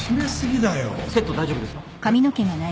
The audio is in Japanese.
セット大丈夫ですか？